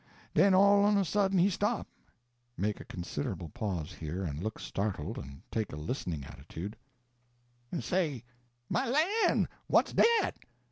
Den all on a sudden he stop (make a considerable pause here, and look startled, and take a listening attitude) en say: "My lan', what's dat?"